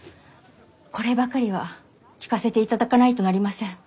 こればかりは聞かせていただかないとなりません。